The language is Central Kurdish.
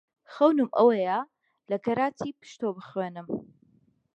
خەونم ئەوەیە کە لە کەراچی پەشتۆ بخوێنم.